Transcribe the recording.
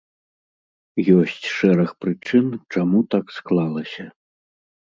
Ёсць шэраг прычын, чаму так склалася.